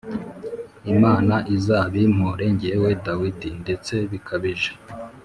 Imana izabimpore jyewe Dawidi, ndetse bikabije.